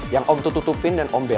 yang om tutupin dan om bela